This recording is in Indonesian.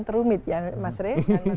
terumit ya mas rek